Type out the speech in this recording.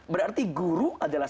berarti guru adalah